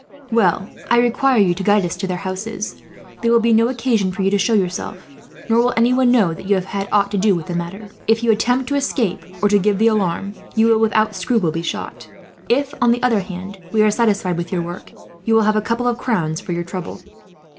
"Well, I require you to guide us to their houses. There will be no occasion for you to show yourself, nor will anyone know that you have had aught to do with the matter. If you attempt to escape, or to give the alarm, you will without scruple be shot. If, on the other hand, we are satisfied with your work, you will have a couple of crowns for your trouble."